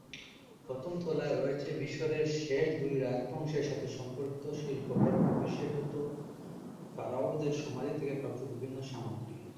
প্রথম তলায় রয়েছে মিশরের শেষ দুই রাজবংশের সাথে সম্পর্কিত শিল্পকর্ম বিশেষত ফারাওদের সমাধি থেকে প্রাপ্ত বিভিন্ন সামগ্রী।